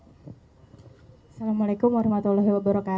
assalamualaikum wr wb